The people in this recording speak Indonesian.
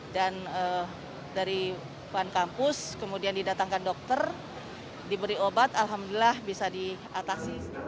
dan dari paham kampus kemudian didatangkan dokter diberi obat alhamdulillah bisa diatasi